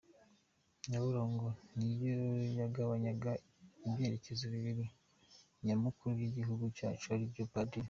Nyabarongo niyo yagabanyaga ibyerekezo bibiri nyamukuru by’igihugu cyacu, aribyo Padri A.